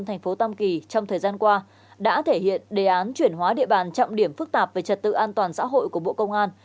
thành phố tam kỳ trong thời gian qua đã thể hiện đề án chuyển hóa địa bàn trọng điểm phức tạp về trật tự an toàn xã hội của bộ công an